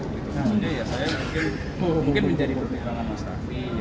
maksudnya ya saya mungkin menjadi pertipangan mas tafi